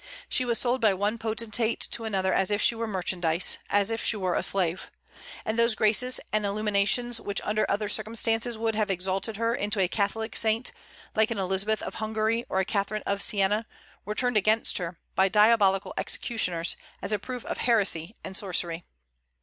She was sold by one potentate to another as if she were merchandise, as if she were a slave. And those graces and illuminations which under other circumstances would have exalted her into a catholic saint, like an Elizabeth of Hungary or a Catherine of Sienna, were turned against her, by diabolical executioners, as a proof of heresy and sorcery.